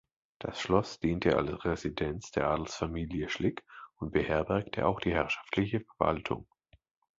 Das Schloss diente als Residenz der Adelsfamilie Schlick und beherbergte auch die herrschaftliche Verwaltung.